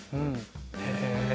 へえ。